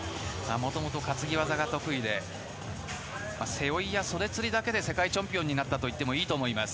もともと担ぎ技が得意で背負いや袖釣りだけで世界チャンピオンになったと言ってもいいと思います。